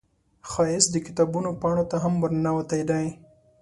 ښایست د کتابونو پاڼو ته هم ورننوتی دی